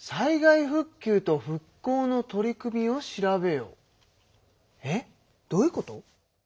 えっとえっどういうこと？